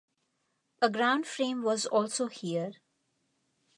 A ground frame was also here.